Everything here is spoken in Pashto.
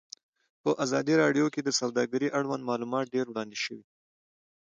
په ازادي راډیو کې د سوداګري اړوند معلومات ډېر وړاندې شوي.